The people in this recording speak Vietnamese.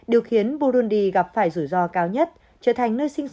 tuy nhiên điều khiến burundi gặp phải rủi ro cao nhất trở thành nơi sinh sáng nhất